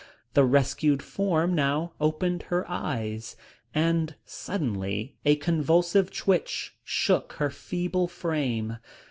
The rescued form now opened her eyes, and suddenly a convulsive twitch shook her feeble frame.